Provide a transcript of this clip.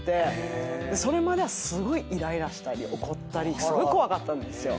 それまではすごいイライラしたり怒ったり怖かったんですよ。